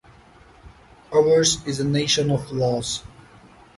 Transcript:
Ours is a nation of laws.